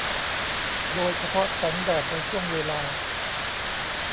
โดยเฉพาะแสงแดดในช่วงเวลา